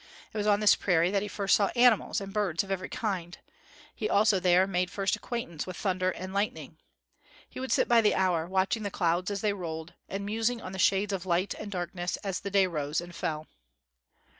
It was on this prairie that he first saw animals and birds of every kind; he also there made first acquaintance with thunder and lightning; he would sit by the hour watching the clouds as they rolled, and musing on the shades of light and darkness as the day rose and fell.